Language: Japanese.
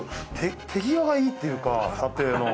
手際がいいっていうか査定の。